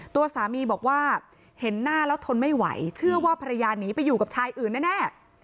ตัวสามีบอกว่าเห็นหน้าแล้วทนไม่ไหวเชื่อว่าภรรยาหนีไปอยู่กับชายอื่นแน่